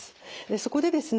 そこでですね